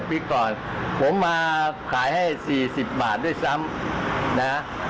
ปีก่อนผมมาขายให้๔๐บาทด้วยซ้ำนะ